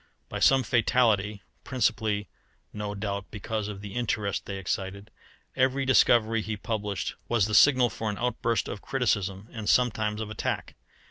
By some fatality, principally no doubt because of the interest they excited, every discovery he published was the signal for an outburst of criticism and sometimes of attack.